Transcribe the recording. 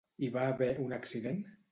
Hi va haver un accident?